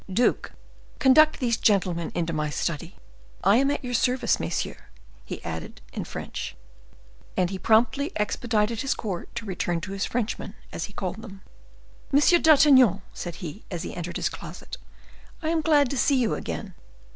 "Duke, conduct these gentlemen into my study. I am at your service, messieurs," added he in French. And he promptly expedited his court, to return to his Frenchmen, as he called them. "Monsieur d'Artagnan," said he, as he entered his closet, "I am glad to see you again."